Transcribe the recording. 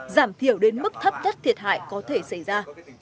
giảm thiểu đến mức thấp nhất thiệt hại có thể xảy ra